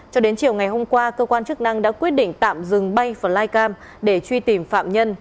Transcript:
cho đến chiều ngày hôm qua cơ quan chức năng đã quyết định tạm dừng bay flycam để truy tìm phạm nhân